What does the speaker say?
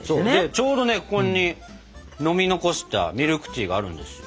ちょうどここに飲み残したミルクティーがあるんですよ。